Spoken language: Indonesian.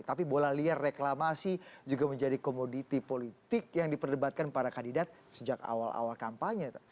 tapi bola liar reklamasi juga menjadi komoditi politik yang diperdebatkan para kandidat sejak awal awal kampanye